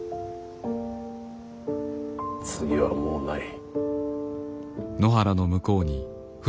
次はもうない。